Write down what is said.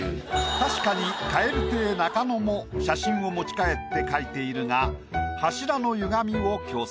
確かに蛙亭中野も写真を持ち帰って描いているが柱の歪みを矯正。